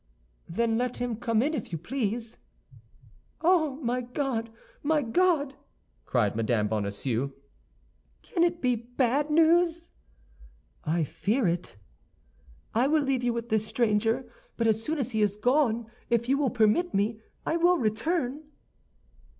"Then let him come in, if you please." "Oh, my God, my God!" cried Mme. Bonacieux. "Can it be bad news?" "I fear it." "I will leave you with this stranger; but as soon as he is gone, if you will permit me, I will return."